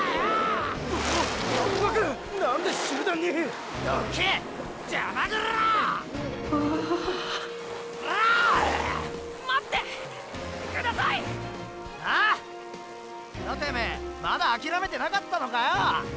何だてめえまだ諦めてなかったのかよ！